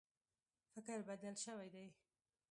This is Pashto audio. فکر بدل شوی دی.